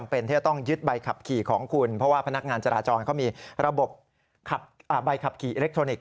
เพราะว่าพนักงานจราจรเขามีระบบใบขับขี่อิเล็กทรอนิกส์